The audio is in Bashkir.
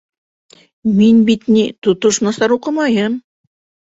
Мин бит, ни, тотош насар уҡымайым.